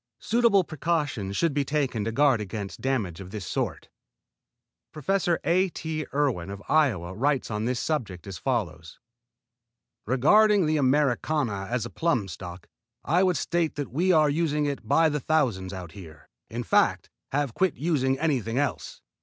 Suitable precautions should be taken to guard against damage of this sort. Prof. A. T. Erwin of Iowa writes on this subject as follows: "Regarding the Americana as a plum stock, I would state that we are using it by the thousands out here; in fact, have about quit using anything else.